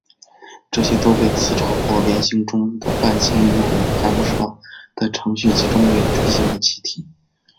这些都被磁场或联星中的伴星以我们还不知道的程序集中成为锥形的气体。